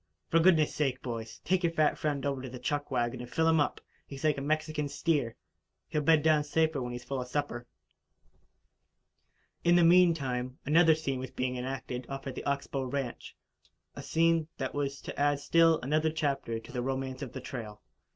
"For goodness' sake, boys, take your fat friend over to the chuck wagon and fill him up. He's like a Mexican steer he'll bed down safer when he's full of supper." In the meantime, another scene was being enacted off at the Ox Bow ranch a scene that was to add still another chapter to the romance of the trail.